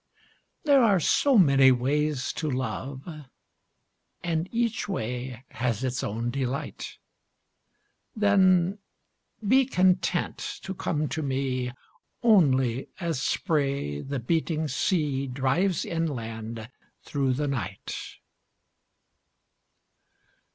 There are so many ways to love And each way has its own delight Then be content to come to me Only as spray the beating sea Drives inland through the night.